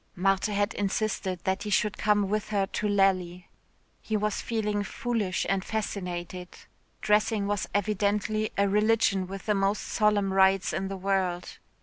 Marthe had insisted that he should come with her to Lally. He was feeling foolish and fascinated dressing was evidently a religion with the most solemn rites in the world.